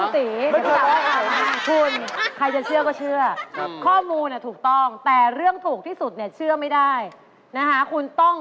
สีเขียวมี๖ชิ้น